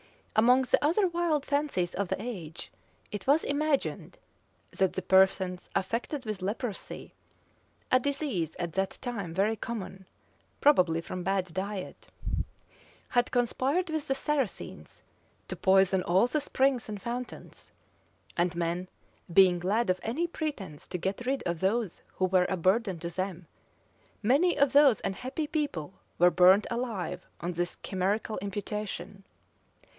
[] Among the other wild fancies of the age, it was imagined, that the persons affected with leprosy (a disease at that time very common, probably from bad diet) had conspired with the Saracens to poison all the springs and fountains; and men, being glad of any pretence to get rid of those who were a burden to them, many of those unhappy people were burnt alive on this chimerical imputation.